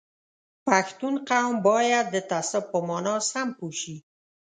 پښتون قوم باید د تعصب په مانا سم پوه شي